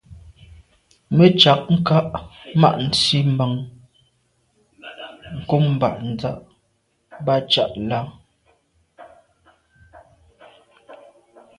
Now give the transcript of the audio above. Me tshag nka’ ma’ nsi mban kum ba’ z’a ba tsha là.